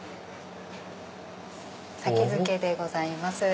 先付けでございます。